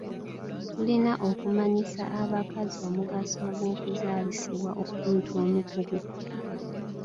Tulina okumanyisa abakazi omugaso ogw'okuzaalisibwa omuntu omukugu.